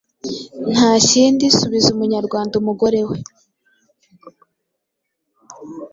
Nta kindi: subiza umunyarwanda umugore we».